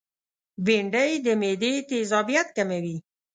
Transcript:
بېنډۍ د معدې تيزابیت کموي